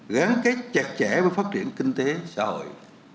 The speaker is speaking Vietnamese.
gắn kết chặt chẽ với phát triển kinh tế xã hội